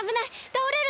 たおれる！